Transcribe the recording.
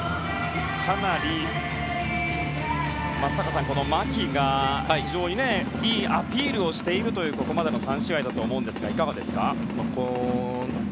松坂さん、牧が非常にいいアピールをしているというここまでの３試合だと思いますがいかがですか？